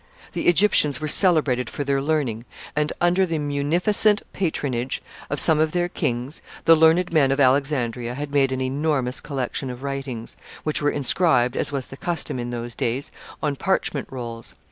The Egyptians were celebrated for their learning, and, under the munificent patronage of some of their kings, the learned men of Alexandria had made an enormous collection of writings, which were inscribed, as was the custom in those days, on parchment rolls.